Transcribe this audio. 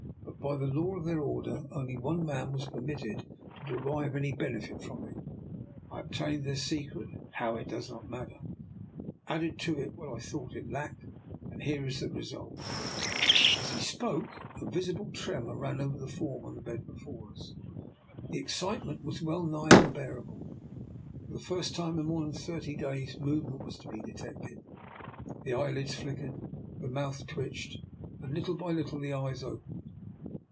But by the law of their order only one man was permitted to derive any benefit from it. I obtained their secret — how it does not matter, added to it what 232 DR. NIKOLA'S EXPERIMENT. I thought it lacked, and here is the re sult/' As he spoke a visible tremor ran over the form on the bed before us. The excitement was well nigh unbearable. For the first time in more than thirty days movement was to be detected, the eyelids flickered, the mouth twitched, and little by little the eyes opened.